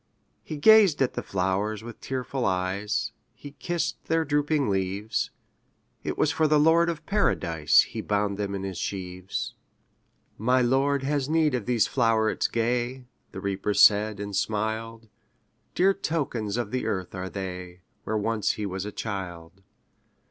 '' He gazed at the flowers with tearful eyes, He kissed their drooping leaves; It was for the Lord of Paradise He bound them in his sheaves. ``My Lord has need of these flowerets gay,'' The Reaper said, and smiled; ``Dear tokens of the earth are they, Where he was once a child.